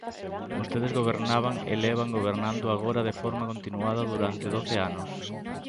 Vostedes gobernaban e levan gobernando agora de forma continuada durante doce anos.